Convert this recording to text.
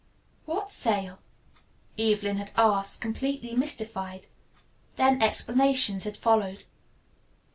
"What sale?" Evelyn had asked, completely mystified. Then explanations had followed.